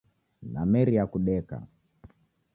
Nameria kudeka.